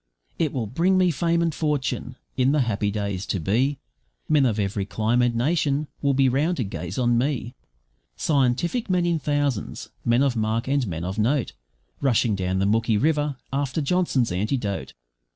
It will bring me fame and fortune! In the happy days to be, Men of every clime and nation will be round to gaze on me Scientific men in thousands, men of mark and men of note, Rushing down the Mooki River, after Johnson's antidote.